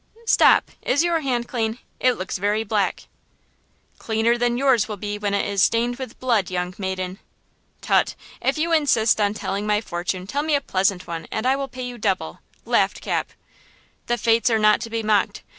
"Stop! Is your hand clean? It looks very black!" "Cleaner than yours will be when it is stained with blood, young maiden!" "Tut! If you insist on telling my fortune, tell me a pleasant one, and I will pay you double," laughed Cap. "The fates are not to be mocked.